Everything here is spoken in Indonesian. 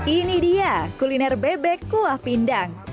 ini dia kuliner bebek kuah pindang